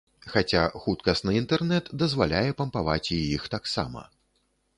Хаця, хуткасны інтэрнэт дазваляе пампаваць і іх таксама.